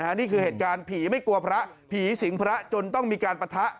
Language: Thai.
นี่คือเหตุการณ์ผีไม่กลัวพระผีสิงพระจนต้องมีการปะทะ